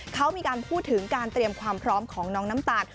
เขามีการพูดถึงการเตรียมความพร้อมของน้องน้ำตาล